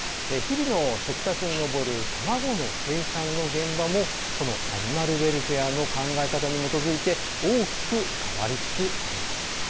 日々の食卓に上る卵の生産の現場もアニマルウェルフェアの考え方に基づいて大きく変わりつつあります。